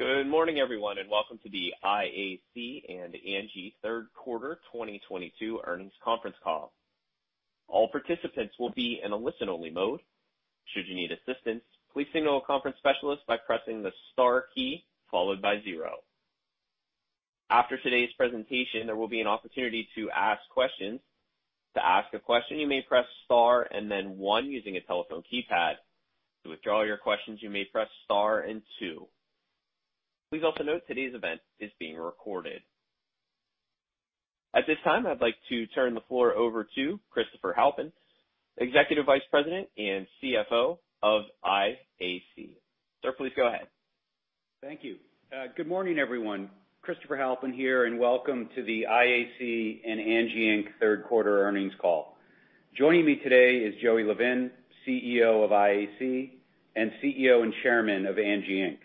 Good morning, everyone, and welcome to the IAC and Angi Third Quarter 2022 Earnings Conference Call. All participants will be in a listen-only mode. Should you need assistance, please signal a conference specialist by pressing the star key followed by zero. After today's presentation, there will be an opportunity to ask questions. To ask a question, you may press star and then one using a telephone keypad. To withdraw your questions, you may press star and two. Please also note today's event is being recorded. At this time, I'd like to turn the floor over to Christopher Halpin, Executive Vice President and CFO of IAC. Sir, please go ahead. Thank you. Good morning, everyone. Christopher Halpin here, and welcome to the IAC and Angi Inc. third quarter earnings call. Joining me today is Joey Levin, CEO of IAC and CEO and Chairman of Angi Inc.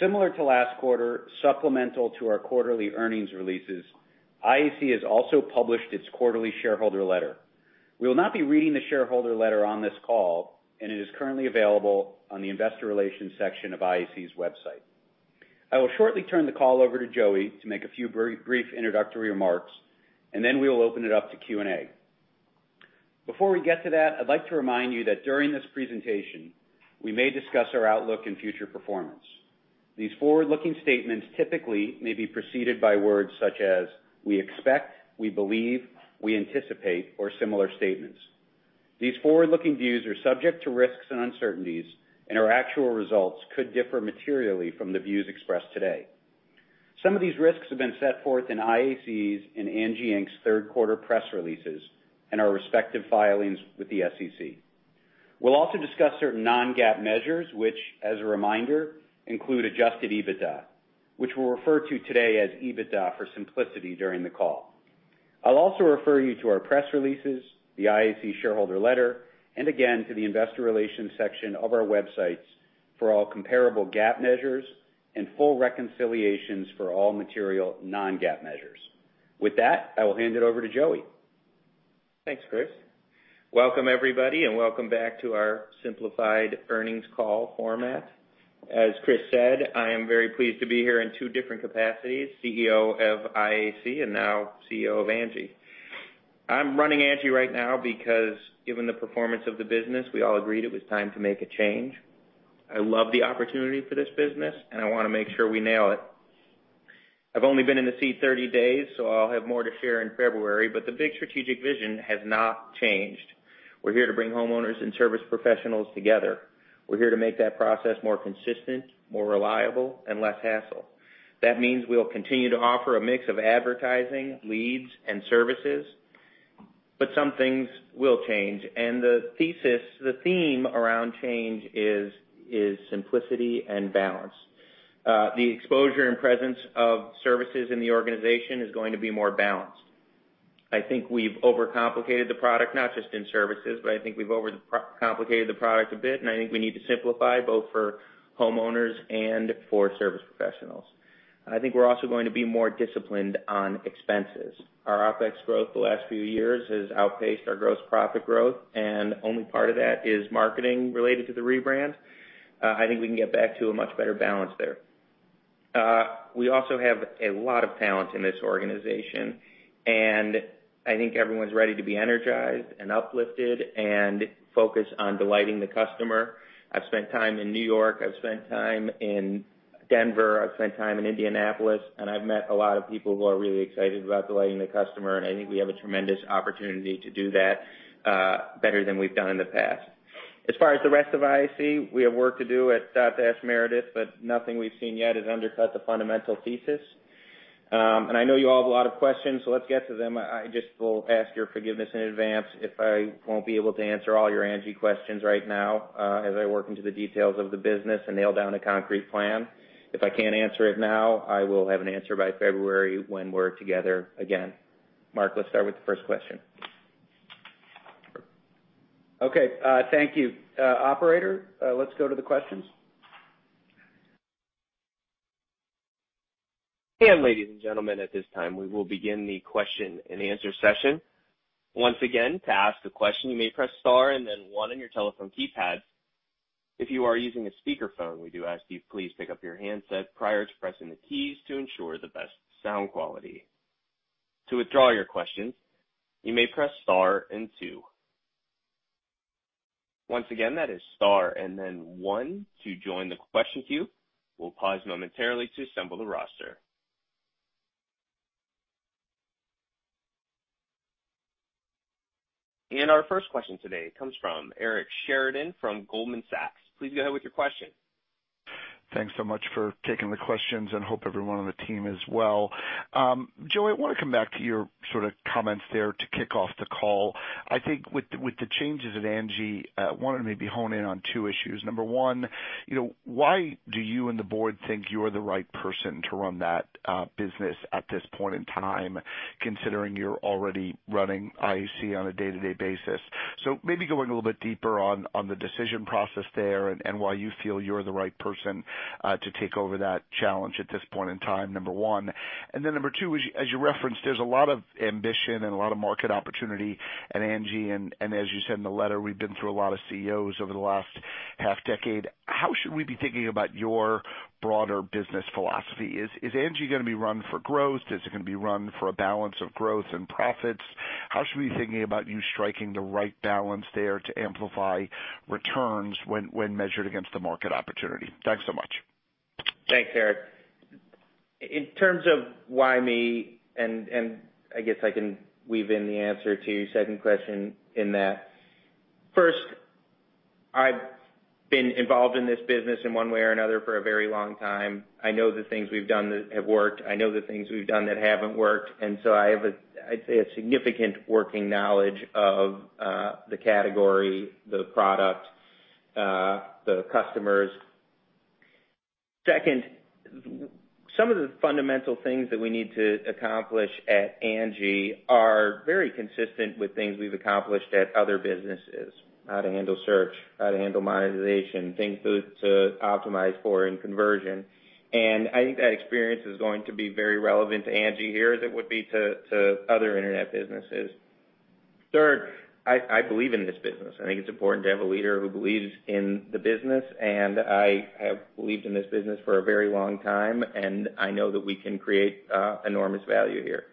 Similar to last quarter, supplemental to our quarterly earnings releases, IAC has also published its quarterly shareholder letter. We will not be reading the shareholder letter on this call, and it is currently available on the investor relations section of IAC's website. I will shortly turn the call over to Joey to make a few very brief introductory remarks, and then we will open it up to Q&A. Before we get to that, I'd like to remind you that during this presentation, we may discuss our outlook and future performance. These forward-looking statements typically may be preceded by words such as "we expect," "we believe," "we anticipate," or similar statements. These forward-looking views are subject to risks and uncertainties, and our actual results could differ materially from the views expressed today. Some of these risks have been set forth in IAC's and Angi Inc.'s third quarter press releases and our respective filings with the SEC. We'll also discuss certain non-GAAP measures, which as a reminder, include adjusted EBITDA, which we'll refer to today as EBITDA for simplicity during the call. I'll also refer you to our press releases, the IAC shareholder letter, and again, to the investor relations section of our websites for all comparable GAAP measures and full reconciliations for all material non-GAAP measures. With that, I will hand it over to Joey. Thanks, Chris. Welcome, everybody, and welcome back to our simplified earnings call format. As Chris said, I am very pleased to be here in two different capacities, CEO of IAC and now CEO of Angi. I'm running Angi right now because given the performance of the business, we all agreed it was time to make a change. I love the opportunity for this business, and I wanna make sure we nail it. I've only been in the seat 30 days, so I'll have more to share in February, but the big strategic vision has not changed. We're here to bring homeowners and service professionals together. We're here to make that process more consistent, more reliable, and less hassle. That means we'll continue to offer a mix of advertising, leads, and services, but some things will change. The thesis, the theme around change is simplicity and balance. The exposure and presence of services in the organization is going to be more balanced. I think we've overcomplicated the product, not just in services, but I think we've overcomplicated the product a bit, and I think we need to simplify both for homeowners and for service professionals. I think we're also going to be more disciplined on expenses. Our OpEx growth the last few years has outpaced our gross profit growth, and only part of that is marketing related to the rebrand. I think we can get back to a much better balance there. We also have a lot of talent in this organization, and I think everyone's ready to be energized and uplifted and focused on delighting the customer. I've spent time in New York, I've spent time in Denver, I've spent time in Indianapolis, and I've met a lot of people who are really excited about delighting the customer, and I think we have a tremendous opportunity to do that, better than we've done in the past. As far as the rest of IAC, we have work to do at Dotdash Meredith, but nothing we've seen yet has undercut the fundamental thesis. I know you all have a lot of questions, so let's get to them. I just will ask your forgiveness in advance if I won't be able to answer all your Angi questions right now, as I work into the details of the business and nail down a concrete plan. If I can't answer it now, I will have an answer by February when we're together again. Mark, let's start with the first question. Okay, thank you. Operator, let's go to the questions. Ladies and gentlemen, at this time, we will begin the question-and-answer session. Once again, to ask a question, you may press star and then one on your telephone keypad. If you are using a speakerphone, we do ask you to please pick up your handset prior to pressing the keys to ensure the best sound quality. To withdraw your questions, you may press star and two. Once again, that is star and then one to join the question queue. We'll pause momentarily to assemble the roster. Our first question today comes from Eric Sheridan from Goldman Sachs. Please go ahead with your question. Thanks so much for taking the questions and hope everyone on the team is well. Joey, I wanna come back to your sorta comments there to kick off the call. I think with the changes at Angi, wanted to maybe hone in on two issues. Number one, you know, why do you and the board think you are the right person to run that business at this point in time, considering you're already running IAC on a day-to-day basis? Maybe going a little bit deeper on the decision process there and why you feel you're the right person to take over that challenge at this point in time, number one. Then number two, as you referenced, there's a lot of ambition and a lot of market opportunity at Angi. As you said in the letter, we've been through a lot of CEOs over the last half decade. How should we be thinking about your broader business philosophy? Is Angi gonna be run for growth? Is it gonna be run for a balance of growth and profits? How should we be thinking about you striking the right balance there to amplify returns when measured against the market opportunity? Thanks so much. Thanks, Eric. In terms of why me and I guess I can weave in the answer to your second question in that. First, I've been involved in this business in one way or another for a very long time. I know the things we've done that have worked. I know the things we've done that haven't worked. I have a, I'd say, a significant working knowledge of the category, the product, the customers. Second, some of the fundamental things that we need to accomplish at Angi are very consistent with things we've accomplished at other businesses, how to handle search, how to handle monetization, things to optimize for in conversion. I think that experience is going to be very relevant to Angi here as it would be to other internet businesses. Third, I believe in this business. I think it's important to have a leader who believes in the business, and I have believed in this business for a very long time, and I know that we can create enormous value here.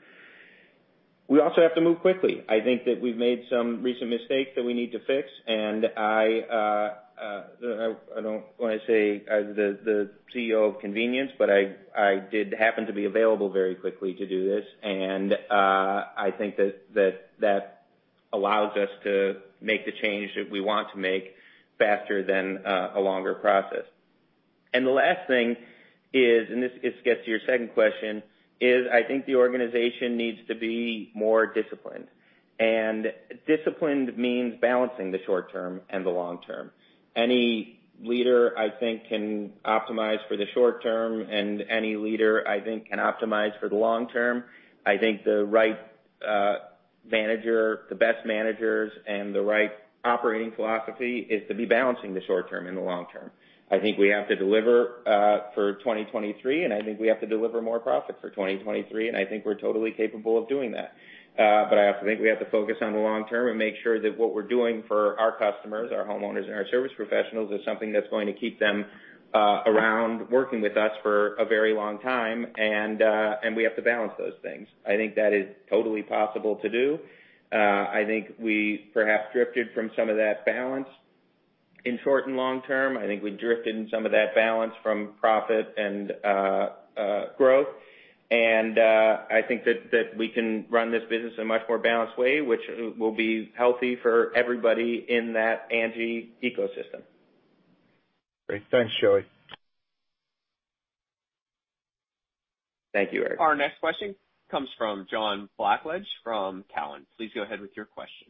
We also have to move quickly. I think that we've made some recent mistakes that we need to fix, and I don't wanna say as the CEO of convenience, but I did happen to be available very quickly to do this. I think that allows us to make the change that we want to make faster than a longer process. The last thing is, and this gets to your second question, is I think the organization needs to be more disciplined. Disciplined means balancing the short term and the long term. Any leader, I think, can optimize for the short term, and any leader, I think, can optimize for the long term. I think the right manager, the best managers and the right operating philosophy is to be balancing the short term and the long term. I think we have to deliver for 2023, and I think we have to deliver more profit for 2023, and I think we're totally capable of doing that. I also think we have to focus on the long term and make sure that what we're doing for our customers, our homeowners and our service professionals, is something that's going to keep them around working with us for a very long time, and we have to balance those things. I think that is totally possible to do. I think we perhaps drifted from some of that balance in short and long term. I think we drifted in some of that balance from profit and growth. I think that we can run this business in a much more balanced way, which will be healthy for everybody in that Angi ecosystem. Great. Thanks, Joey. Thank you, Eric. Our next question comes from John Blackledge from Cowen. Please go ahead with your question.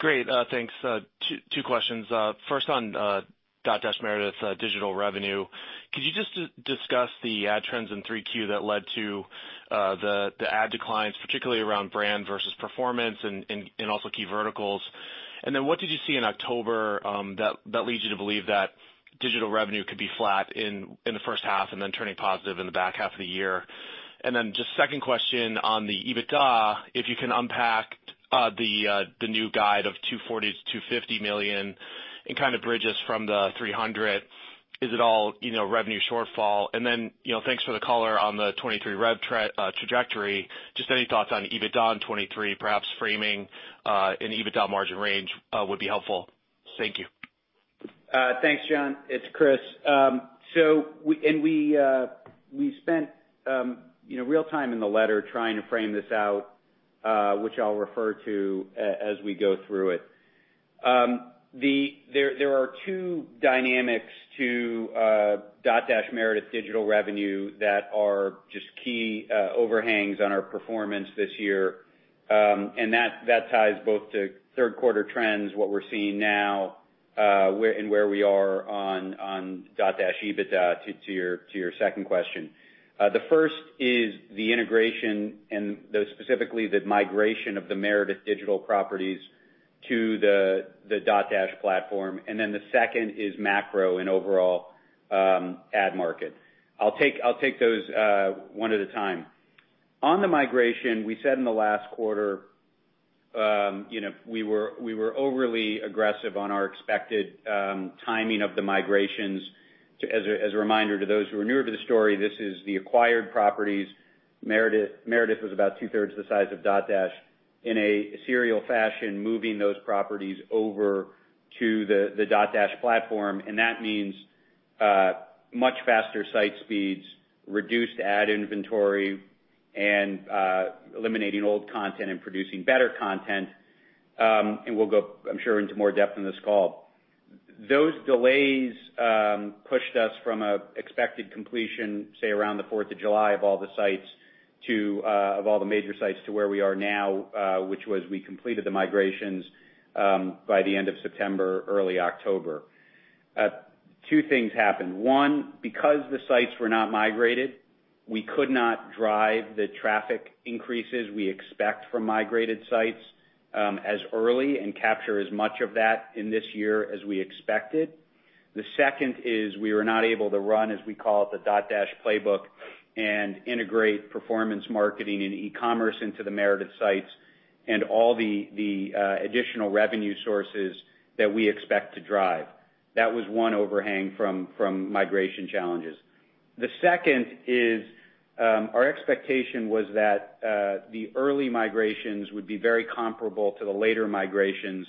Great, thanks. Two questions. First on Dotdash Meredith, digital revenue. Could you just discuss the ad trends in 3Q that led to the ad declines, particularly around brand versus performance and also key verticals? What did you see in October that leads you to believe that digital revenue could be flat in the first half and then turning positive in the back half of the year? Just second question on the EBITDA, if you can unpack the new guide of $240 million-$250 million and kind of bridge us from the $300 million. Is it all, you know, revenue shortfall? You know, thanks for the color on the 2023 rev trajectory. Just any thoughts on EBITDA in 2023, perhaps framing an EBITDA margin range would be helpful. Thank you. Thanks, John. It's Chris. So we spent, you know, real time in the letter trying to frame this out, which I'll refer to as we go through it. There are two dynamics to Dotdash Meredith digital revenue that are just key overhangs on our performance this year. That ties both to third quarter trends, what we're seeing now, where we are on Dotdash EBITDA to your second question. The first is the integration and specifically the migration of the Meredith digital properties to the Dotdash platform. The second is macro and overall ad market. I'll take those one at a time. On the migration, we said in the last quarter, you know, we were overly aggressive on our expected timing of the migrations. As a reminder to those who are newer to the story, this is the acquired properties. Meredith was about 2/3 the size of Dotdash. In a serial fashion, moving those properties over to the Dotdash platform, and that means much faster site speeds, reduced ad inventory, and eliminating old content and producing better content. We'll go, I'm sure, into more depth in this call. Those delays pushed us from an expected completion, say around the Fourth of July, of all the sites to of all the major sites to where we are now, which was we completed the migrations by the end of September, early October. Two things happened. One, because the sites were not migrated, we could not drive the traffic increases we expect from migrated sites, as early and capture as much of that in this year as we expected. The second is we were not able to run, as we call it, the Dotdash playbook and integrate performance marketing and e-commerce into the Meredith sites and all the additional revenue sources that we expect to drive. That was one overhang from migration challenges. The second is, our expectation was that, the early migrations would be very comparable to the later migrations,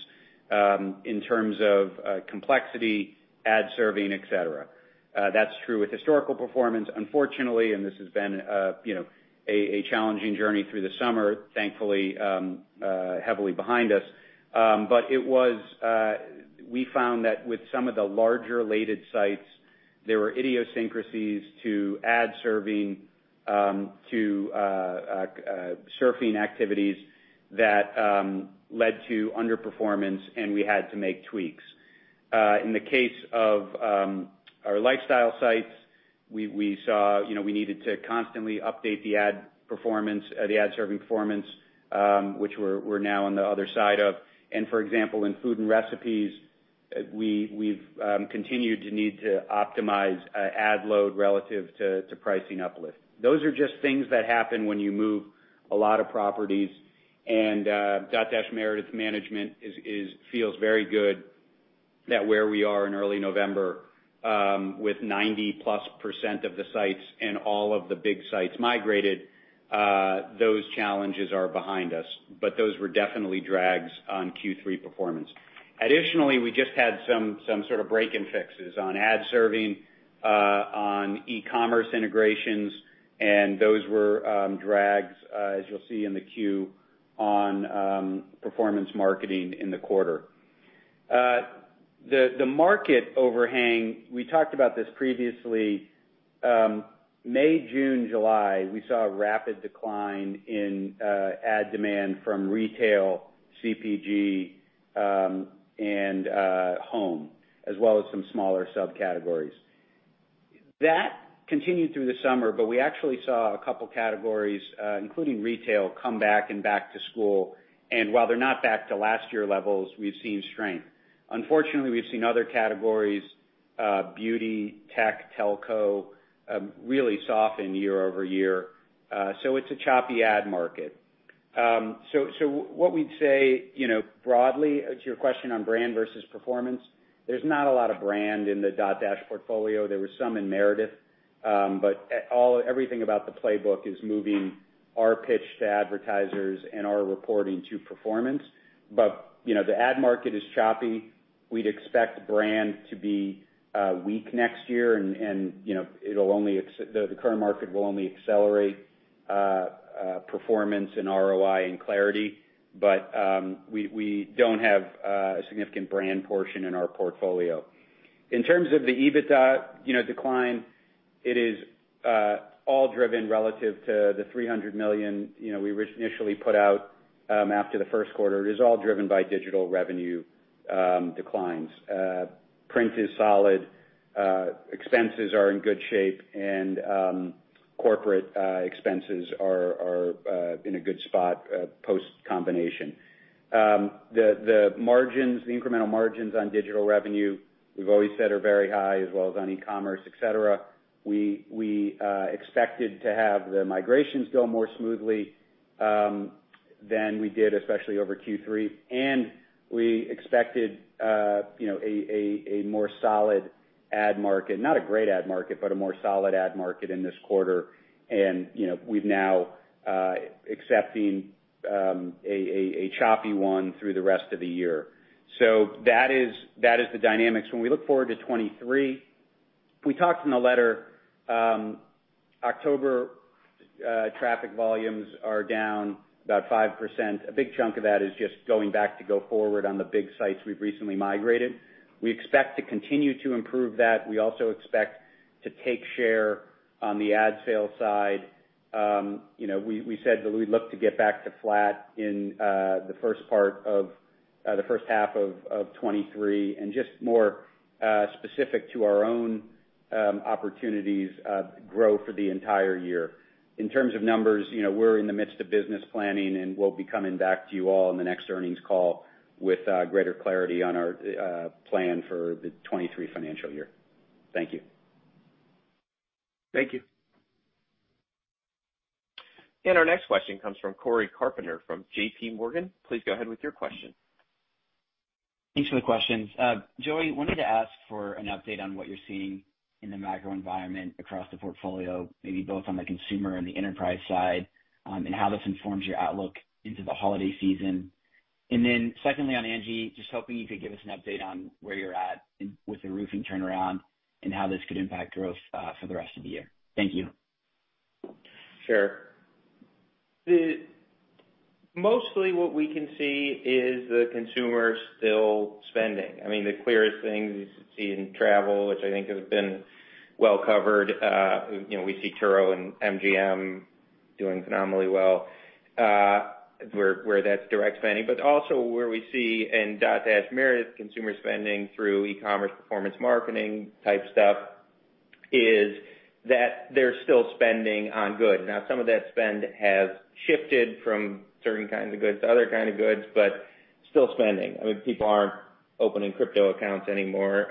in terms of, complexity, ad serving, et cetera. That's not true with historical performance, unfortunately, and this has been, you know, a challenging journey through the summer, thankfully, heavily behind us. We found that with some of the larger related sites, there were idiosyncrasies to ad serving to surfing activities that led to underperformance, and we had to make tweaks. In the case of our lifestyle sites, we saw, you know, we needed to constantly update the ad performance or the ad serving performance, which we're now on the other side of. For example, in food and recipes, we've continued to need to optimize ad load relative to pricing uplifts. Those are just things that happen when you move a lot of properties and Dotdash Meredith management feels very good that where we are in early November with 90%+ of the sites and all of the big sites migrated, those challenges are behind us. Those were definitely drags on Q3 performance. Additionally, we just had some sort of breaks and fixes on ad serving on e-commerce integrations, and those were drags, as you'll see in the Q on performance marketing in the quarter. The market overhang, we talked about this previously. May, June, July, we saw a rapid decline in ad demand from retail, CPG, and home, as well as some smaller subcategories. That continued through the summer, but we actually saw a couple categories, including retail, come back and back to school. While they're not back to last year levels, we've seen strength. Unfortunately, we've seen other categories, beauty, tech, telco, really soften year-over-year. It's a choppy ad market. What we'd say, you know, broadly to your question on brand versus performance, there's not a lot of brand in the Dotdash portfolio. There was some in Meredith, but everything about the playbook is moving our pitch to advertisers and our reporting to performance. You know, the ad market is choppy. We'd expect brand to be weak next year and you know, the current market will only accelerate performance and ROI and clarity. We don't have a significant brand portion in our portfolio. In terms of the EBITDA, you know, decline, it is all driven relative to the $300 million, you know, we originally put out after the first quarter. It is all driven by digital revenue declines. Print is solid, expenses are in good shape and corporate expenses are in a good spot post combination. The margins, the incremental margins on digital revenue, we've always said are very high as well as on e-commerce, et cetera. We expected to have the migrations go more smoothly than we did, especially over Q3. We expected, you know, a more solid ad market, not a great ad market, but a more solid ad market in this quarter. You know, we're now accepting a choppy one through the rest of the year. That is the dynamics. When we look forward to 2023, we talked in the letter, October traffic volumes are down about 5%. A big chunk of that is just going back to go forward on the big sites we've recently migrated. We expect to continue to improve that. We also expect to take share on the ad sales side. You know, we said that we look to get back to flat in the first part of the first half of 2023, and just more specific to our own opportunities, growth for the entire year. In terms of numbers, you know, we're in the midst of business planning, and we'll be coming back to you all in the next earnings call with greater clarity on our plan for the 2023 financial year. Thank you. Thank you. Our next question comes from Cory Carpenter from JPMorgan. Please go ahead with your question. Thanks for the questions. Joey, wanted to ask for an update on what you're seeing in the macro environment across the portfolio, maybe both on the consumer and the enterprise side, and how this informs your outlook into the holiday season. Then secondly, on Angi, just hoping you could give us an update on where you're at in with the roofing turnaround and how this could impact growth for the rest of the year. Thank you. Sure. Mostly what we can see is the consumer still spending. I mean, the clearest thing is to see in travel, which I think has been well covered. You know, we see Turo and MGM doing phenomenally well, where that's direct spending. But also where we see in Dotdash Meredith consumer spending through e-commerce, performance marketing type stuff is that they're still spending on goods. Now, some of that spend has shifted from certain kinds of goods to other kind of goods, but still spending. I mean, people aren't opening crypto accounts anymore.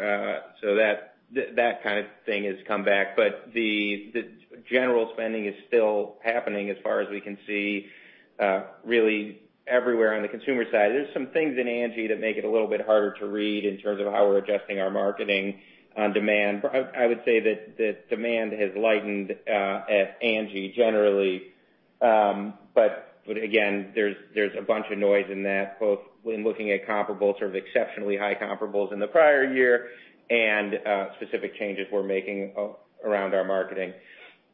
So that kind of thing has come back. But the general spending is still happening as far as we can see, really everywhere on the consumer side. There's some things in Angi that make it a little bit harder to read in terms of how we're adjusting our marketing on demand. I would say that demand has lightened at Angi generally. Again, there's a bunch of noise in that, both when looking at comparables, sort of exceptionally high comparables in the prior year and specific changes we're making around our marketing.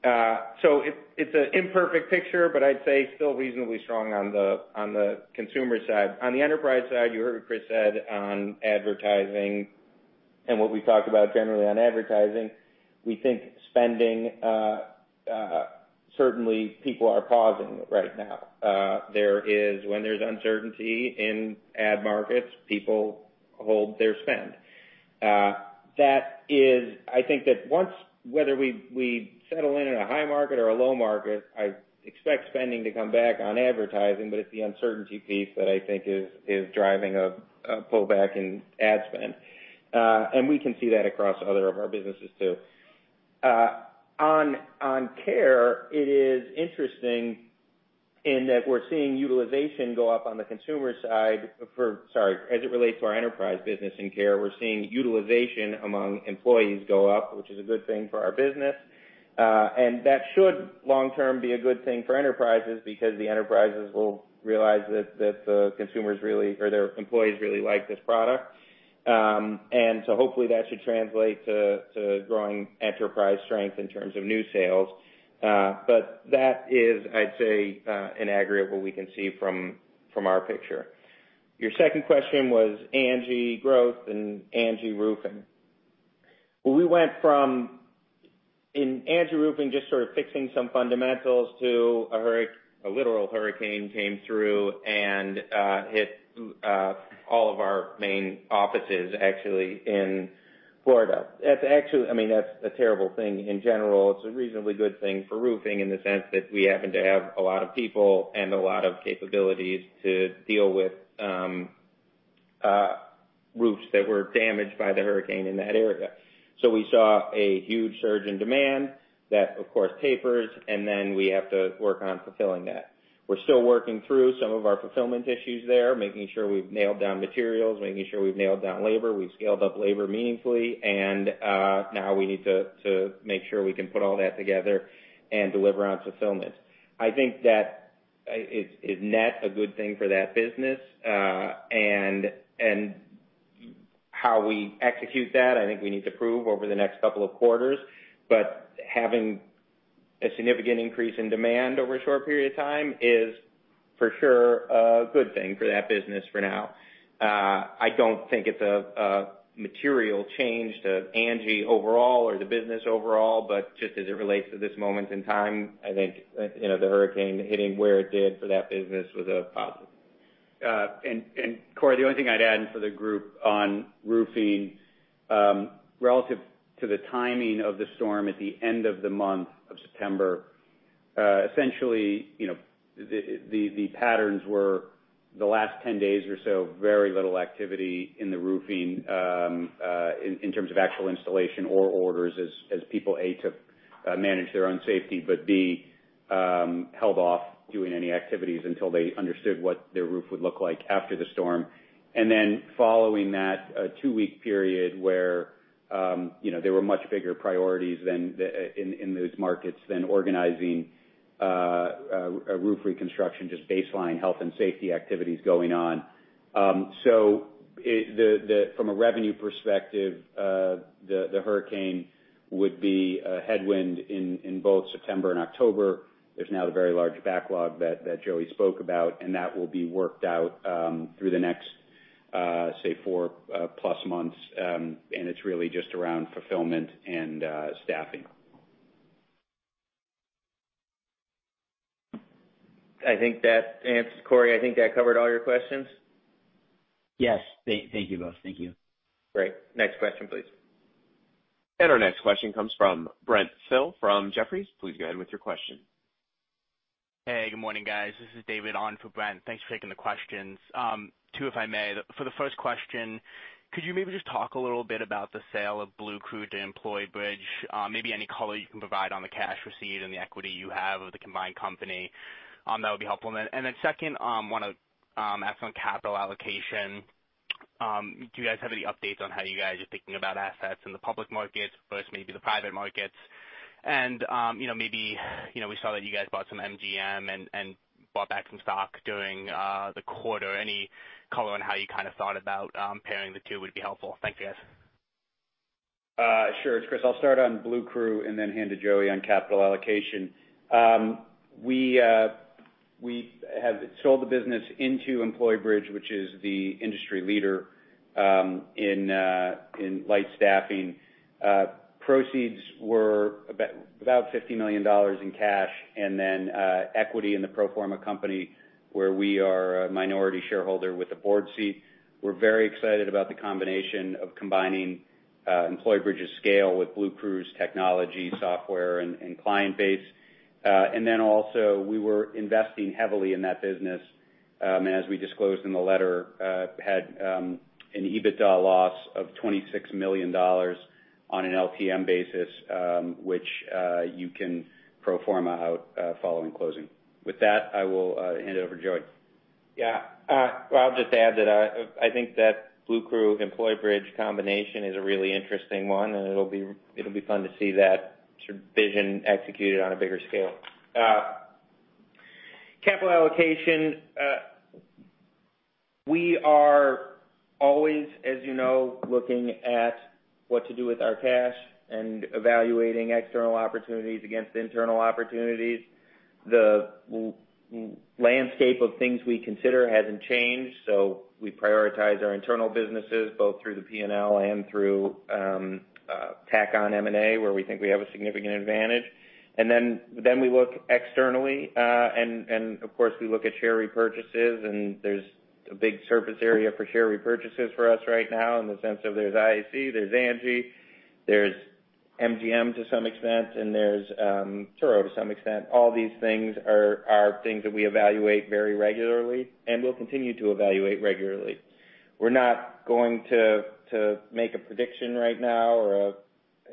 It's an imperfect picture, but I'd say still reasonably strong on the consumer side. On the enterprise side, you heard what Chris said on advertising and what we talked about generally on advertising. We think spending. Certainly people are pausing right now. When there's uncertainty in ad markets, people hold their spend. I think that once, whether we settle in a high market or a low market, I expect spending to come back on advertising, but it's the uncertainty piece that I think is driving a pullback in ad spend. We can see that across other of our businesses too. On Care, it is interesting in that as it relates to our enterprise business in Care, we're seeing utilization among employees go up, which is a good thing for our business. That should, long term, be a good thing for enterprises because the enterprises will realize that the consumers really, or their employees really like this product. Hopefully that should translate to growing enterprise strength in terms of new sales. That is, I'd say, an aggregate what we can see from our picture. Your second question was Angi growth and Angi Roofing. Well, we went from in Angi Roofing, just sort of fixing some fundamentals to a literal hurricane came through and hit all of our main offices, actually, in Florida. That's actually. I mean, that's a terrible thing in general. It's a reasonably good thing for roofing in the sense that we happen to have a lot of people and a lot of capabilities to deal with roofs that were damaged by the hurricane in that area. So we saw a huge surge in demand that, of course, tapers, and then we have to work on fulfilling that. We're still working through some of our fulfillment issues there, making sure we've nailed down materials, making sure we've nailed down labor. We've scaled up labor meaningfully, and now we need to make sure we can put all that together and deliver on fulfillment. I think that is net a good thing for that business. How we execute that, I think we need to prove over the next couple of quarters. Having a significant increase in demand over a short period of time is, for sure, a good thing for that business for now. I don't think it's a material change to Angi overall or the business overall, but just as it relates to this moment in time, I think, you know, the hurricane hitting where it did for that business was a positive. Cory, the only thing I'd add for the group on roofing relative to the timing of the storm at the end of the month of September essentially you know the patterns were the last 10 days or so very little activity in the roofing in terms of actual installation or orders as people A to manage their own safety but B held off doing any activities until they understood what their roof would look like after the storm. Following that, a two-week period where you know there were much bigger priorities in those markets than organizing a roof reconstruction just baseline health and safety activities going on. From a revenue perspective, the hurricane would be a headwind in both September and October. There's now the very large backlog that Joey spoke about, and that will be worked out through the next, say, four plus months. It's really just around fulfillment and staffing. I think that answers, Cory, I think that covered all your questions. Yes. Thank you both. Thank you. Great. Next question, please. Our next question comes from Brent Thill from Jefferies. Please go ahead with your question. Hey, good morning, guys. This is David on for Brent. Thanks for taking the questions. Two, if I may. For the first question, could you maybe just talk a little bit about the sale of Bluecrew to Employbridge? Maybe any color you can provide on the cash received and the equity you have of the combined company, that would be helpful. Second, wanna ask on capital allocation. Do you guys have any updates on how you guys are thinking about assets in the public markets versus maybe the private markets? You know, maybe, you know, we saw that you guys bought some MGM and bought back some stock during the quarter. Any color on how you kind of thought about pairing the two would be helpful. Thank you, guys. Sure. It's Chris. I'll start on Bluecrew and then hand to Joey on capital allocation. We have sold the business into Employbridge, which is the industry leader in light staffing. Proceeds were about $50 million in cash and then equity in the pro forma company, where we are a minority shareholder with a board seat. We're very excited about the combination of combining Employbridge's scale with Bluecrew's technology, software and client base. And then also, we were investing heavily in that business and as we disclosed in the letter had an EBITDA loss of $26 million on an LTM basis, which you can pro forma out following closing. With that, I will hand it over to Joey. Yeah. Well, I'll just add that I think that Bluecrew Employbridge combination is a really interesting one, and it'll be fun to see that sort of vision executed on a bigger scale. Capital allocation. We are always, as you know, looking at what to do with our cash and evaluating external opportunities against internal opportunities. The landscape of things we consider hasn't changed, so we prioritize our internal businesses both through the P&L and through tack-on M&A, where we think we have a significant advantage. Then we look externally, and of course, we look at share repurchases, and there's a big surface area for share repurchases for us right now in the sense of there's IAC, there's Angi, there's MGM to some extent, and there's Turo to some extent. All these things are things that we evaluate very regularly and will continue to evaluate regularly. We're not going to make a prediction right now or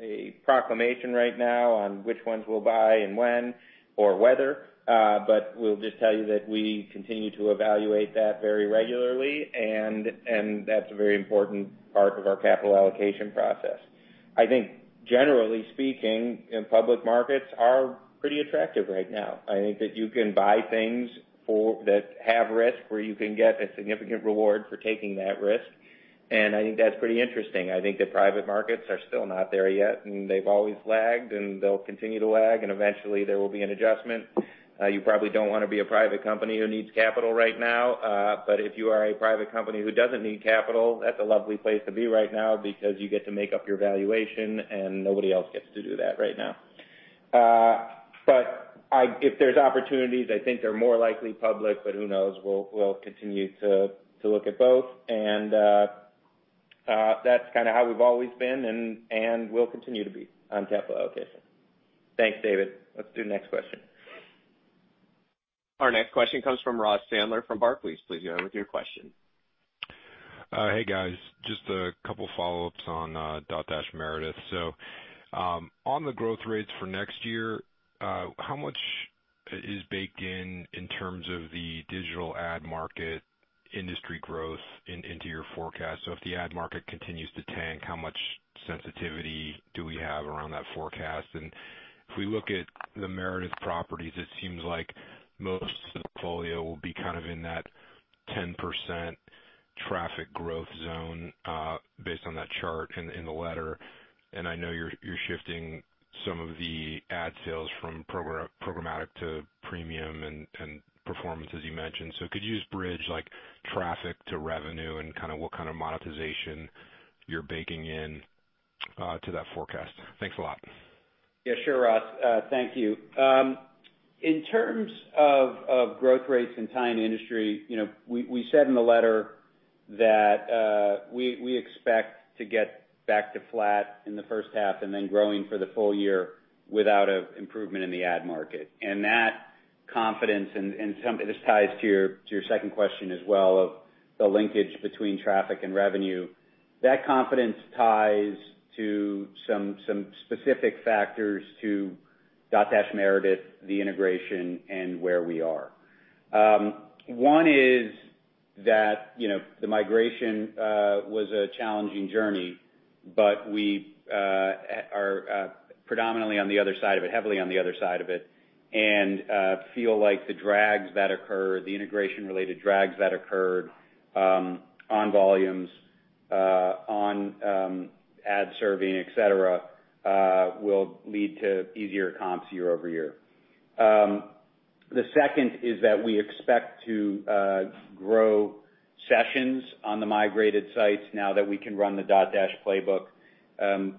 a proclamation right now on which ones we'll buy and when or whether, but we'll just tell you that we continue to evaluate that very regularly and that's a very important part of our capital allocation process. I think generally speaking, public markets are pretty attractive right now. I think that you can buy things for that have risk, where you can get a significant reward for taking that risk. I think that's pretty interesting. I think the private markets are still not there yet, and they've always lagged, and they'll continue to lag, and eventually, there will be an adjustment. You probably don't wanna be a private company who needs capital right now. If you are a private company who doesn't need capital, that's a lovely place to be right now because you get to make up your valuation, and nobody else gets to do that right now. If there's opportunities, I think they're more likely public, but who knows? We'll continue to look at both. That's kind of how we've always been and will continue to be on capital allocation. Thanks, David. Let's do the next question. Our next question comes from Ross Sandler from Barclays. Please go ahead with your question. Hey, guys. Just a couple follow-ups on Dotdash Meredith. On the growth rates for next year, how much is baked in in terms of the digital ad market industry growth into your forecast? If the ad market continues to tank, how much sensitivity do we have around that forecast? If we look at the Meredith properties, it seems like most of the portfolio will be kind of in that 10% traffic growth zone, based on that chart in the letter. I know you're shifting some of the ad sales from programmatic to premium and performance, as you mentioned. Could you just bridge like traffic to revenue and kinda what kind of monetization you're baking in to that forecast? Thanks a lot. Yeah, sure, Ross. Thank you. In terms of growth rates and tying industry, you know, we said in the letter that we expect to get back to flat in the first half and then growing for the full year without an improvement in the ad market. That confidence this ties to your second question as well of the linkage between traffic and revenue. That confidence ties to some specific factors to Dotdash Meredith, the integration and where we are. One is that, you know, the migration was a challenging journey, but we are predominantly on the other side of it, heavily on the other side of it, and feel like the drags that occurred, the integration-related drags that occurred, on volumes, on ad serving, et cetera, will lead to easier comps year over year. The second is that we expect to grow sessions on the migrated sites now that we can run the Dotdash playbook,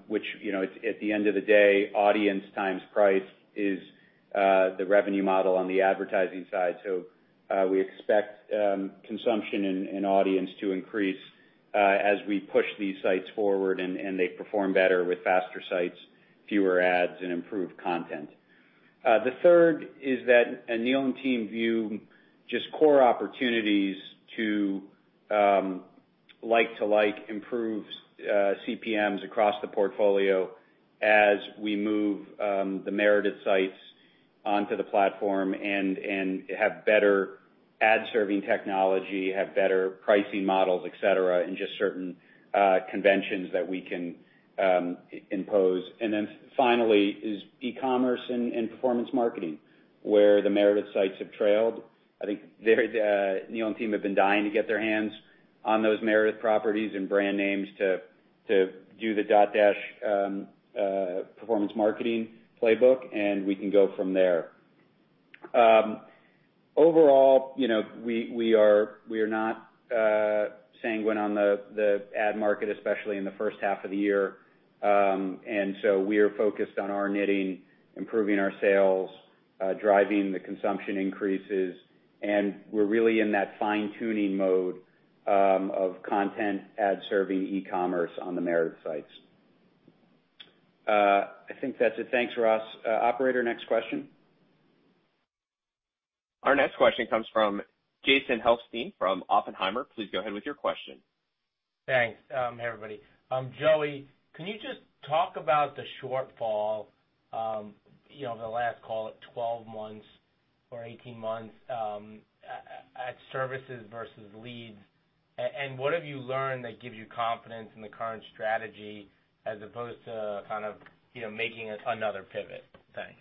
which, you know, it's at the end of the day, audience times price is the revenue model on the advertising side. We expect consumption and audience to increase as we push these sites forward and they perform better with faster sites, fewer ads, and improved content. The third is that, and Neil and team view just core opportunities to, like to like improve, CPMs across the portfolio as we move, the Meredith sites onto the platform and have better ad serving technology, have better pricing models, et cetera, and just certain conventions that we can impose. Finally is e-commerce and performance marketing, where the Meredith sites have trailed. I think that Neil and team have been dying to get their hands on those Meredith properties and brand names to do the Dotdash performance marketing playbook, and we can go from there. Overall, you know, we are not sanguine on the ad market, especially in the first half of the year. We're focused on our knitting, improving our sales, driving the consumption increases, and we're really in that fine-tuning mode of content, ad serving, e-commerce on the Meredith sites. I think that's it. Thanks, Ross. Operator, next question. Our next question comes from Jason Helfstein from Oppenheimer. Please go ahead with your question. Thanks, everybody. Joey, can you just talk about the shortfall, you know, of the last, call it, 12 months or 18 months, at services versus leads? What have you learned that gives you confidence in the current strategy as opposed to kind of, you know, making another pivot? Thanks.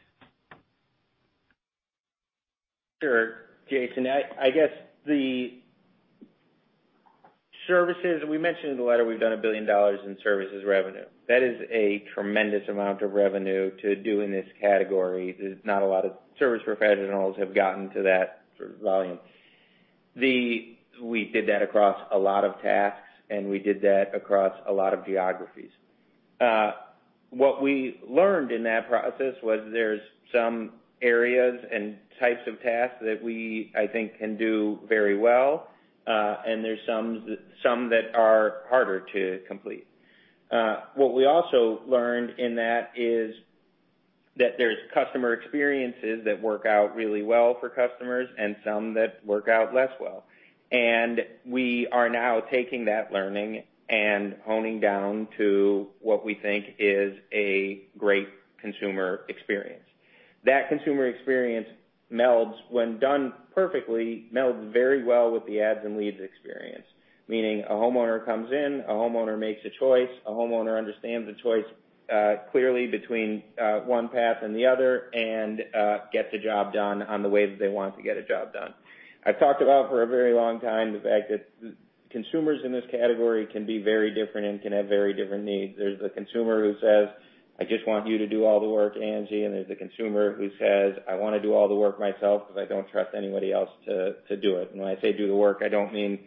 Sure, Jason. I guess the services, we mentioned in the letter, we've done $1 billion in services revenue. That is a tremendous amount of revenue to do in this category. There's not a lot of service professionals have gotten to that sort of volume. We did that across a lot of tasks, and we did that across a lot of geographies. What we learned in that process was there's some areas and types of tasks that we, I think, can do very well, and there's some that are harder to complete. What we also learned in that is that there's customer experiences that work out really well for customers and some that work out less well. We are now taking that learning and honing down to what we think is a great consumer experience. That consumer experience melds, when done perfectly, melds very well with the ads and leads experience. Meaning a homeowner comes in, a homeowner makes a choice, a homeowner understands the choice clearly between one path and the other, and gets the job done on the way that they want to get a job done. I've talked about for a very long time the fact that consumers in this category can be very different and can have very different needs. There's the consumer who says, "I just want you to do all the work, Angi." There's the consumer who says, "I wanna do all the work myself because I don't trust anybody else to do it." When I say do the work, I don't mean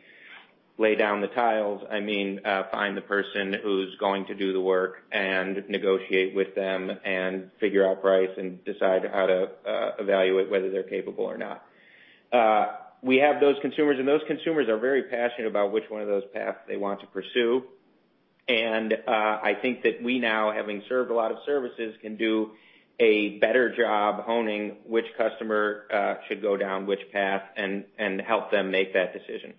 lay down the tiles. I mean, find the person who's going to do the work and negotiate with them and figure out price and decide how to evaluate whether they're capable or not. We have those consumers, and those consumers are very passionate about which one of those paths they want to pursue. I think that we now, having served a lot of services, can do a better job honing which customer should go down which path and help them make that decision.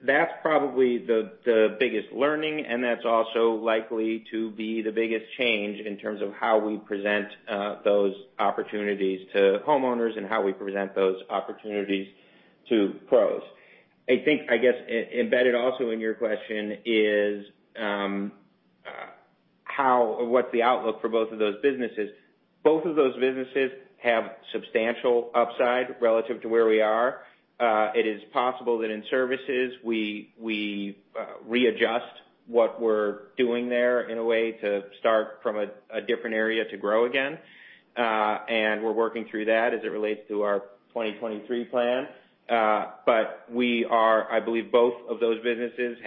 That's probably the biggest learning, and that's also likely to be the biggest change in terms of how we present those opportunities to homeowners and how we present those opportunities to pros. I think, I guess, embedded also in your question is how or what's the outlook for both of those businesses. Both of those businesses have substantial upside relative to where we are. It is possible that in services we readjust what we're doing there in a way to start from a different area to grow again. We're working through that as it relates to our 2023 plan. I believe both of those businesses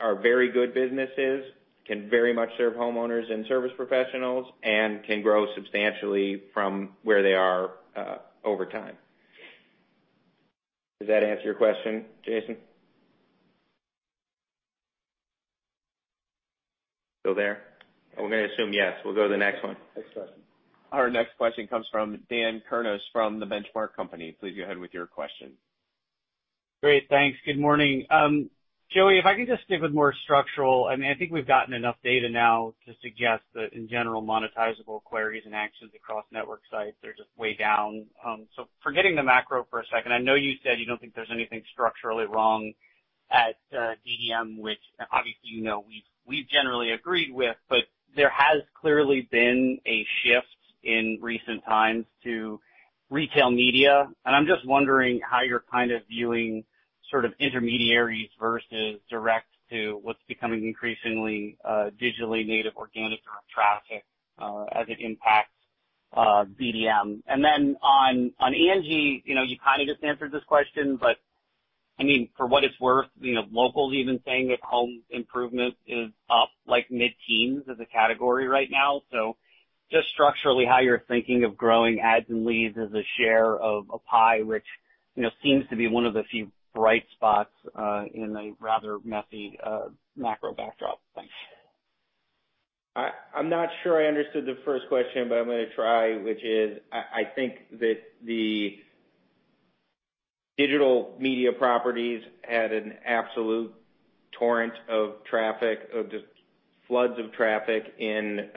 are very good businesses, can very much serve homeowners and service professionals and can grow substantially from where they are over time. Does that answer your question, Jason? Still there? We're gonna assume yes. We'll go to the next one. Next question. Our next question comes from Daniel Kurnos from The Benchmark Company. Please go ahead with your question. Great. Thanks. Good morning. Joey, I mean, I think we've gotten enough data now to suggest that in general, monetizable queries and actions across network sites are just way down. Forgetting the macro for a second, I know you said you don't think there's anything structurally wrong at DDM, which obviously, you know, we've generally agreed with, but there has clearly been a shift in recent times to retail media. I'm just wondering how you're kind of viewing sort of intermediaries versus direct to what's becoming increasingly digitally native, organic sort of traffic as it impacts DDM. On Angi, you know, you kinda just answered this question, but I mean, for what it's worth, you know, Lowe's even saying that home improvement is up like mid-teens as a category right now. Just structurally, how you're thinking of growing ads and leads as a share of a pie, which, you know, seems to be one of the few bright spots in a rather messy macro backdrop. Thanks. I'm not sure I understood the first question, but I'm gonna try, which is I think that the digital media properties had an absolute torrent of traffic, of just floods of traffic in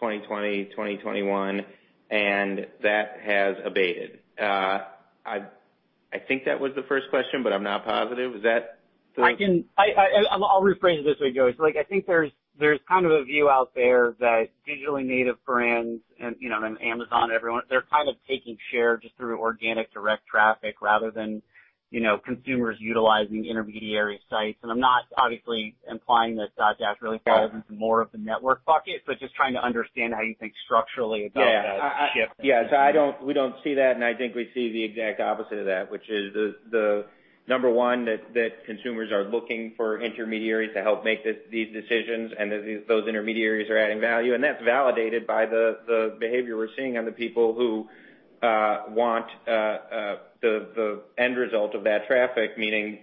2020, 2021, and that has abated. I think that was the first question, but I'm not positive. Is that the- I’ll rephrase it this way, Joey. Like, I think there’s kind of a view out there that digitally native brands and, you know, Amazon, everyone, they’re kind of taking share just through organic direct traffic rather than, you know, consumers utilizing intermediary sites. I’m not obviously implying that Dotdash really falls into more of the network bucket, but just trying to understand how you think structurally about that shift. We don't see that, and I think we see the exact opposite of that, which is the number one, that consumers are looking for intermediaries to help make these decisions and that those intermediaries are adding value. That's validated by the behavior we're seeing of the people who want the end result of that traffic, meaning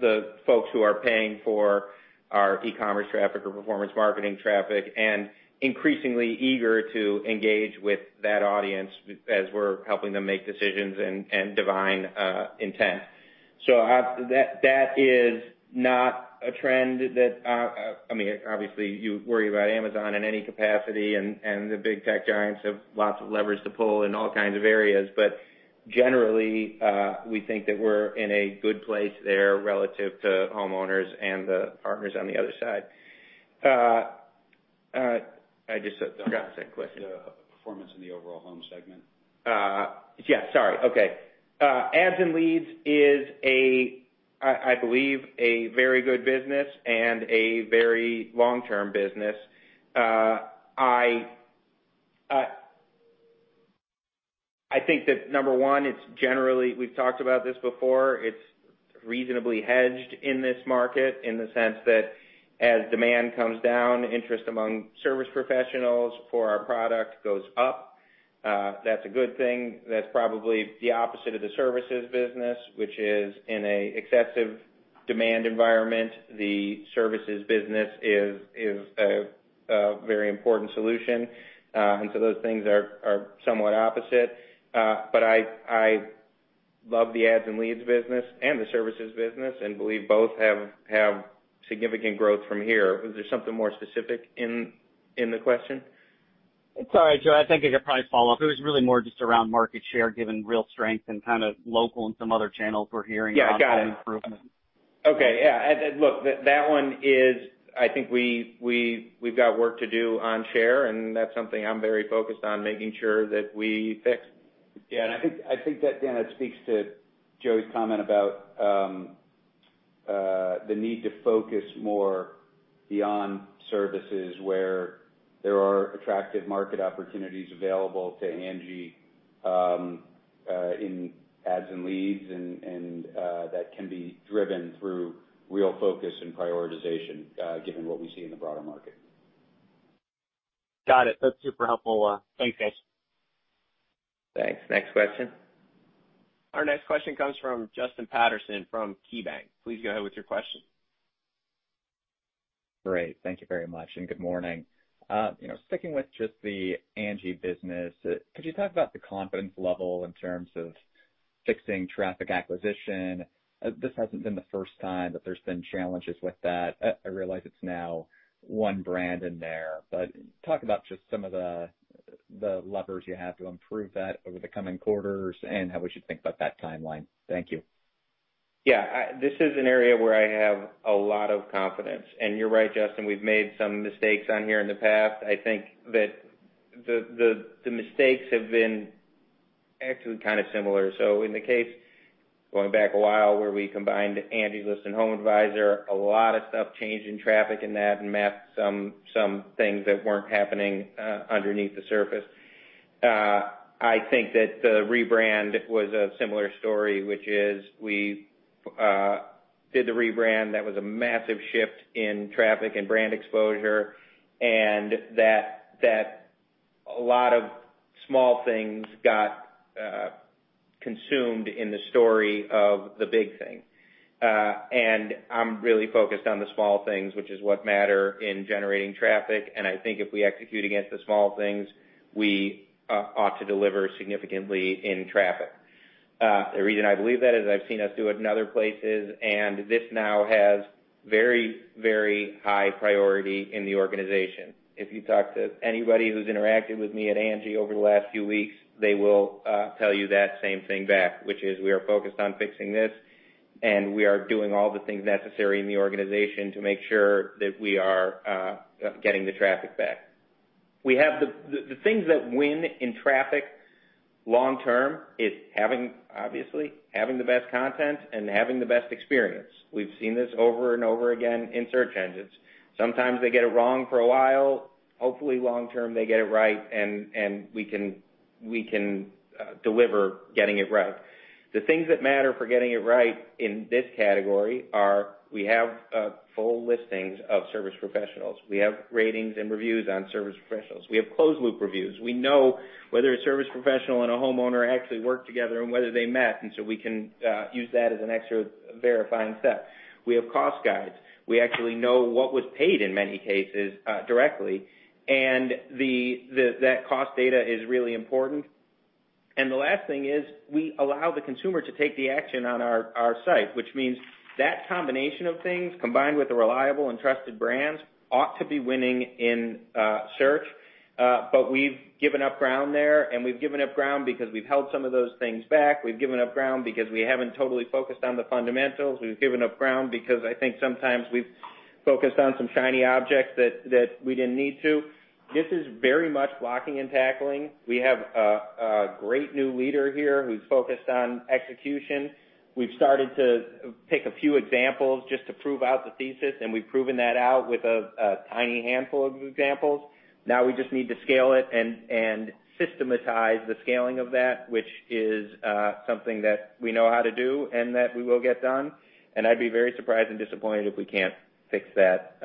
the folks who are paying for our e-commerce traffic or performance marketing traffic, and increasingly eager to engage with that audience as we're helping them make decisions and divine intent. That is not a trend. I mean, obviously you worry about Amazon in any capacity and the big tech giants have lots of levers to pull in all kinds of areas. Generally, we think that we're in a good place there relative to homeowners and the partners on the other side. I just forgot the second question. The performance in the overall home segment. Ads and leads is a I believe a very good business and a very long-term business. I think that number one, it's generally we've talked about this before, it's reasonably hedged in this market in the sense that as demand comes down, interest among service professionals for our product goes up. That's a good thing. That's probably the opposite of the services business, which is in an excessive demand environment. The services business is a very important solution. Those things are somewhat opposite. I love the ads and leads business and the services business and believe both have significant growth from here. Was there something more specific in the question? It's all right, Joey. I think I could probably follow up. It was really more just around market share given real strength and kinda Lowe's and some other channels we're hearing. Yeah, got it. About improvement. Okay. Yeah. Look, that one is. I think we've got work to do on share, and that's something I'm very focused on making sure that we fix. Yeah. I think that, Dan, that speaks to Joey's comment about the need to focus more beyond services where there are attractive market opportunities available to Angi in ads and leads and that can be driven through real focus and prioritization given what we see in the broader market. Got it. That's super helpful. Thanks, guys. Thanks. Next question. Our next question comes from Justin Patterson from KeyBanc. Please go ahead with your question. Great. Thank you very much, and good morning. You know, sticking with just the Angi business, could you talk about the confidence level in terms of fixing traffic acquisition? This hasn't been the first time that there's been challenges with that. I realize it's now one brand in there, but talk about just some of the levers you have to improve that over the coming quarters and how we should think about that timeline. Thank you. Yeah. This is an area where I have a lot of confidence. You're right, Justin, we've made some mistakes on here in the past. I think that the mistakes have been actually kind of similar. In the case, going back a while, where we combined Angie's List and HomeAdvisor, a lot of stuff changed in traffic in that and masked some things that weren't happening underneath the surface. I think that the rebrand was a similar story, which is we did the rebrand. That was a massive shift in traffic and brand exposure, and that a lot of small things got consumed in the story of the big thing. I'm really focused on the small things, which is what matter in generating traffic. I think if we execute against the small things, we ought to deliver significantly in traffic. The reason I believe that is I've seen us do it in other places, and this now has very, very high priority in the organization. If you talk to anybody who's interacted with me at Angi over the last few weeks, they will tell you that same thing back, which is we are focused on fixing this, and we are doing all the things necessary in the organization to make sure that we are getting the traffic back. We have the things that win in traffic long term is having, obviously, having the best content and having the best experience. We've seen this over and over again in search engines. Sometimes they get it wrong for a while. Hopefully long term, they get it right and we can deliver getting it right. The things that matter for getting it right in this category are we have full listings of service professionals. We have ratings and reviews on service professionals. We have closed loop reviews. We know whether a service professional and a homeowner actually work together and whether they met, and so we can use that as an extra verifying step. We have cost guides. We actually know what was paid in many cases directly, and that cost data is really important. The last thing is we allow the consumer to take the action on our site, which means that combination of things, combined with the reliable and trusted brands, ought to be winning in search. We've given up ground there, and we've given up ground because we've held some of those things back. We've given up ground because we haven't totally focused on the fundamentals. We've given up ground because I think sometimes we've focused on some shiny objects that we didn't need to. This is very much blocking and tackling. We have a great new leader here who's focused on execution. We've started to pick a few examples just to prove out the thesis, and we've proven that out with a tiny handful of examples. Now we just need to scale it and systematize the scaling of that, which is something that we know how to do and that we will get done. I'd be very surprised and disappointed if we can't fix that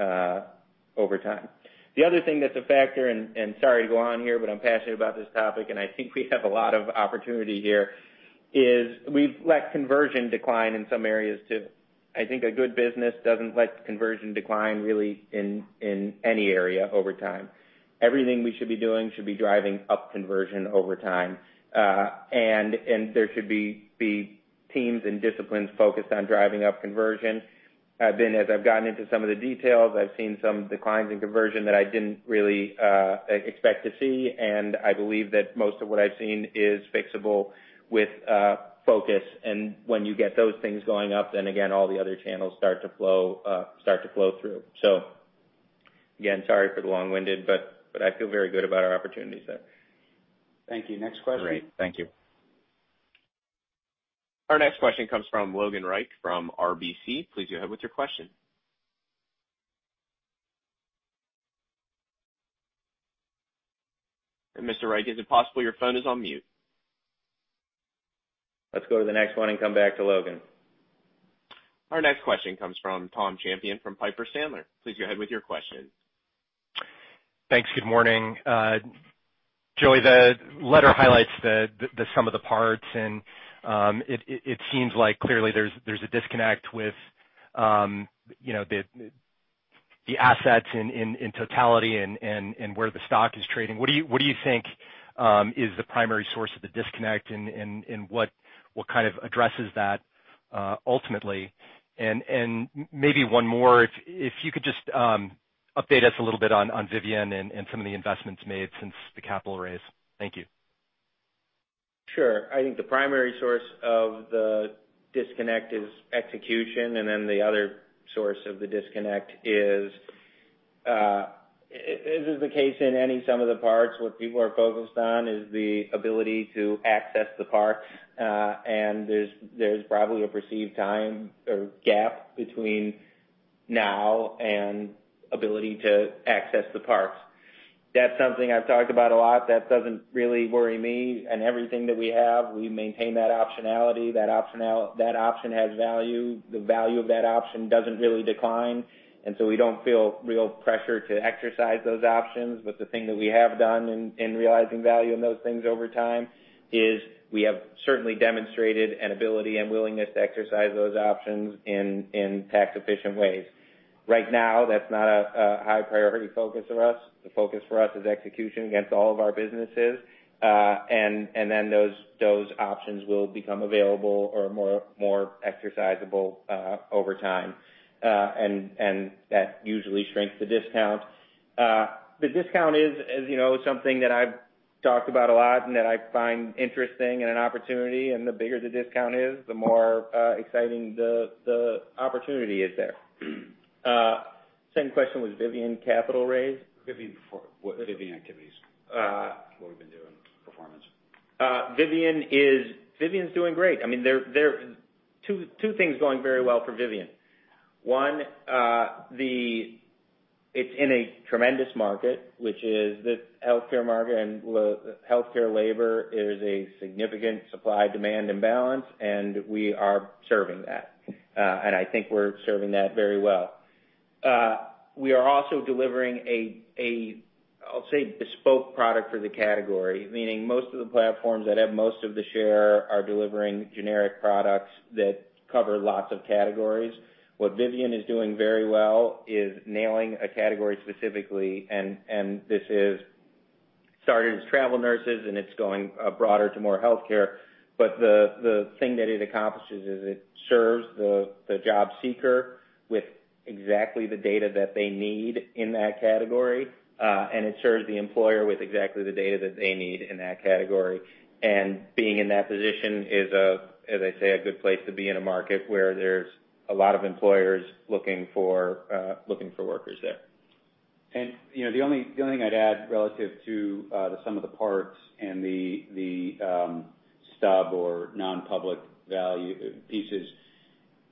over time. The other thing that's a factor, and sorry to go on here, but I'm passionate about this topic, and I think we have a lot of opportunity here, is we've let conversion decline in some areas, too. I think a good business doesn't let conversion decline really in any area over time. Everything we should be doing should be driving up conversion over time. There should be teams and disciplines focused on driving up conversion. As I've gotten into some of the details, I've seen some declines in conversion that I didn't really expect to see, and I believe that most of what I've seen is fixable with focus. When you get those things going up, then again, all the other channels start to flow through. Again, sorry for the long-winded, but I feel very good about our opportunities there. Thank you. Next question. Great. Thank you. Our next question comes from Logan Reich from RBC. Please go ahead with your question. Mr. Reich, is it possible your phone is on mute? Let's go to the next one and come back to Logan. Our next question comes from Tom Champion from Piper Sandler. Please go ahead with your question. Thanks. Good morning. Joey, the letter highlights the sum of the parts, and it seems like clearly there's a disconnect with, you know, the assets in totality and where the stock is trading. What do you think is the primary source of the disconnect, and what kind of addresses that ultimately? Maybe one more. If you could just update us a little bit on Vivian and some of the investments made since the capital raise. Thank you. Sure. I think the primary source of the disconnect is execution, and then the other source of the disconnect is, this is the case in any sum of the parts. What people are focused on is the ability to access the parts, and there's probably a perceived time or gap between now and ability to access the parts. That's something I've talked about a lot. That doesn't really worry me. In everything that we have, we maintain that optionality. That option has value. The value of that option doesn't really decline, and so we don't feel real pressure to exercise those options. But the thing that we have done in realizing value in those things over time is we have certainly demonstrated an ability and willingness to exercise those options in tax-efficient ways. Right now, that's not a high priority focus for us. The focus for us is execution against all of our businesses, and then those options will become available or more exercisable over time. That usually shrinks the discount. The discount is, as you know, something that I've talked about a lot and that I find interesting and an opportunity. The bigger the discount is, the more exciting the opportunity is there. Same question, was Vivian Health capital raise? Vivian activities, what we've been doing, performance. Vivian's doing great. I mean, there are two things going very well for Vivian. One, it's in a tremendous market, which is the healthcare market, and healthcare labor is a significant supply-demand imbalance, and we are serving that. I think we're serving that very well. We are also delivering a bespoke product for the category, meaning most of the platforms that have most of the share are delivering generic products that cover lots of categories. What Vivian is doing very well is nailing a category specifically, and this started as travel nurses, and it's going broader to more healthcare. The thing that it accomplishes is it serves the job seeker with exactly the data that they need in that category, and it serves the employer with exactly the data that they need in that category. Being in that position is, as I say, a good place to be in a market where there's a lot of employers looking for workers there. You know, the only thing I'd add relative to the sum of the parts and the stub or non-public value pieces.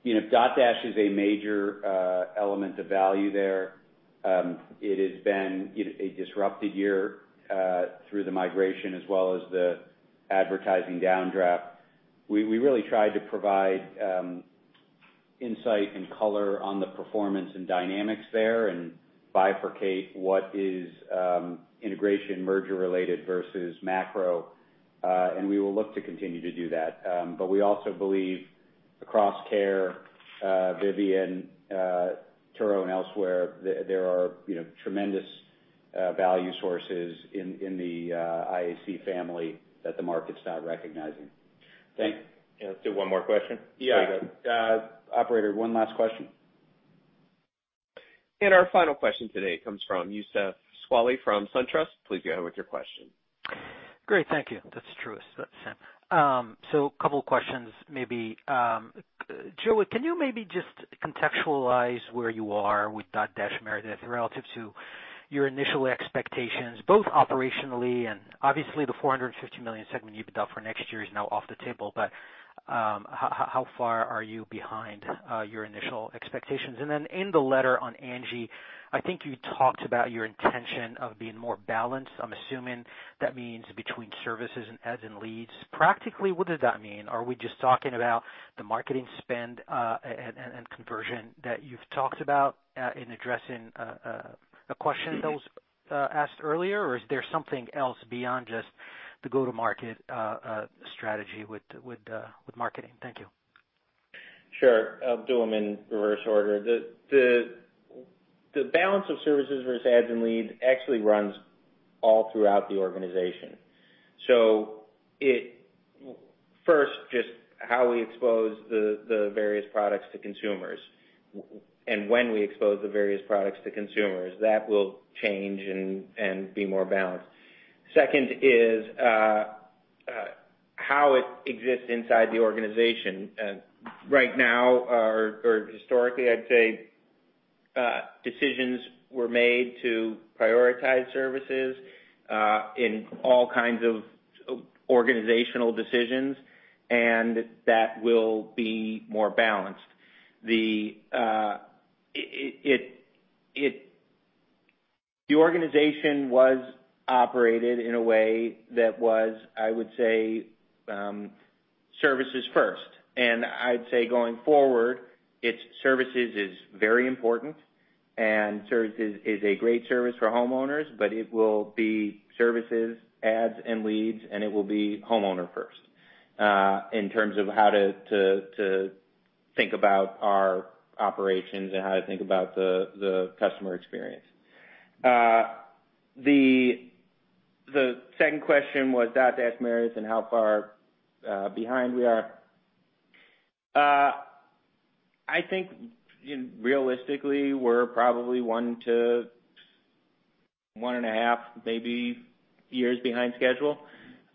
You know, Dotdash is a major element of value there. It has been, you know, a disrupted year through the migration as well as the advertising downdraft. We really tried to provide insight and color on the performance and dynamics there and bifurcate what is integration merger related versus macro, and we will look to continue to do that. We also believe across Care, Vivian, Turo and elsewhere, there are, you know, tremendous value sources in the IAC family that the market's not recognizing. Thank you. Let's do one more question. Yeah. Operator, one last question. Our final question today comes from Youssef Squali from Suntrust. Please go ahead with your question. Great. Thank you. That's Truist. That's him. So couple questions maybe. Joey, can you maybe just contextualize where you are with Dotdash Meredith relative to your initial expectations, both operationally and obviously the $450 million segment EBITDA for next year is now off the table, but how far are you behind your initial expectations? In the letter on Angi, I think you talked about your intention of being more balanced. I'm assuming that means between services and ads and leads. Practically, what does that mean? Are we just talking about the marketing spend, and conversion that you've talked about, in addressing a question that was asked earlier? Or is there something else beyond just the go-to-market strategy with marketing? Thank you. Sure. I'll do them in reverse order. The balance of services versus ads and leads actually runs all throughout the organization. First, just how we expose the various products to consumers and when we expose the various products to consumers, that will change and be more balanced. Second is how it exists inside the organization. Right now, or historically, I'd say decisions were made to prioritize services in all kinds of organizational decisions, and that will be more balanced. The organization was operated in a way that was, I would say, services first. I'd say going forward, it's services is very important and services is a great service for homeowners, but it will be services, ads, and leads, and it will be homeowner first in terms of how to think about our operations and how to think about the customer experience. The second question was Dotdash Meredith and how far behind we are. I think realistically, we're probably one to one and a half years behind schedule.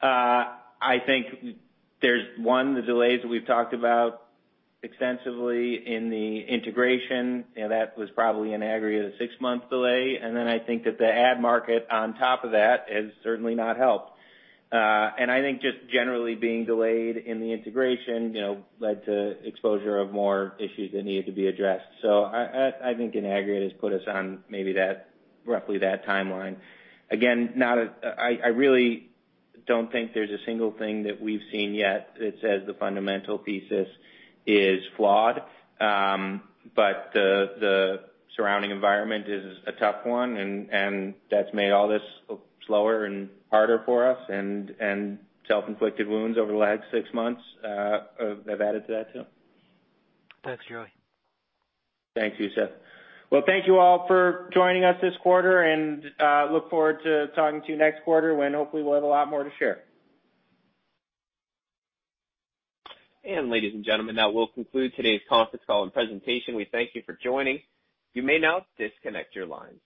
I think there's one, the delays we've talked about extensively in the integration, you know, that was probably in aggregate a six-month delay. Then I think that the ad market on top of that has certainly not helped. I think just generally being delayed in the integration, you know, led to exposure of more issues that needed to be addressed. I think in aggregate has put us on maybe that, roughly that timeline. Again, I really don't think there's a single thing that we've seen yet that says the fundamental thesis is flawed. The surrounding environment is a tough one and that's made all this slower and harder for us and self-inflicted wounds over the last six months have added to that too. Thanks, Joey. Thanks, Youssef. Well, thank you all for joining us this quarter, and look forward to talking to you next quarter when hopefully we'll have a lot more to share. Ladies and gentlemen, that will conclude today's conference call and presentation. We thank you for joining. You may now disconnect your lines.